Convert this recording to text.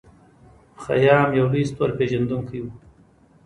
خیام یو لوی ستورپیژندونکی و.